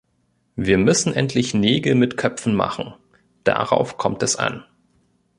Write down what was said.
Wir müssen endlich Nägel mit Köpfen machen, darauf kommt es an.